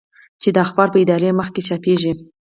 چې د اخبار په اداري مخ کې چاپېږي.